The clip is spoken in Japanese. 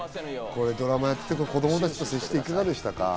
ドラマやってて子供たちと接していて、いかがでしたか？